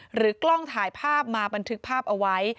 กล้องถ่ายภาพมาบันทึกภาพเอาไว้